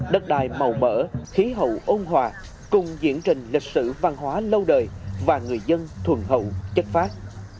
đất đài màu mỡ khí hậu ôn hòa cùng diễn trình lịch sử văn hóa lâu đời và người dân thuần hậu chất phát